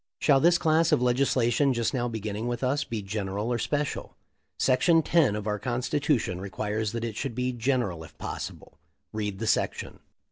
"Shall this class of legislation just now beginning with us be general or special? "Section Ten of our Constitution requires that it should be general, if possible. (Read the Section.)